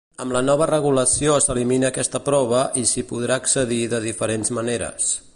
Amb la nova regulació s'elimina aquesta prova i s'hi podrà accedir de diferents maneres.